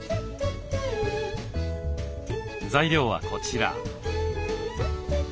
材料はこちら。